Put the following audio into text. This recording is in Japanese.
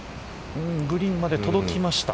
グリーンまで届きました。